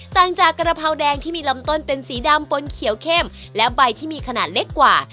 ต่างจากกระเพราแดงที่มีลำต้นเป็นสีดำปนเขียวเข้มและใบที่มีขนาดเล็กกว่า